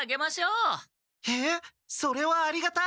えっそれはありがたい！